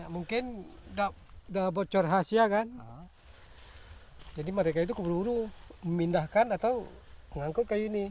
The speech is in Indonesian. mungkin sudah bocor rahasia kan jadi mereka itu keburu buru memindahkan atau mengangkut ke ini